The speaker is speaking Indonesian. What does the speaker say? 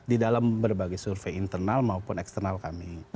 di dalam berbagai survei internal maupun eksternal kami